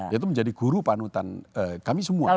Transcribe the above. yaitu menjadi guru panutan kami semua